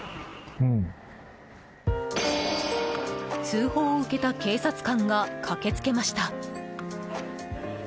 通報を受けた警察官が駆けつけました。